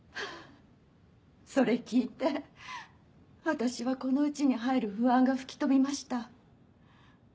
それ聞いて私はこの家に入る不安が吹き飛びました。